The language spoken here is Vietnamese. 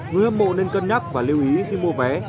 người hâm mộ nên cân nhắc và lưu ý khi mua vé